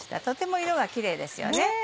とても色がキレイですよね。